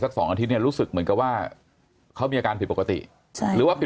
สองอาทิตยเนี่ยรู้สึกเหมือนกับว่าเขามีอาการผิดปกติใช่หรือว่าผิด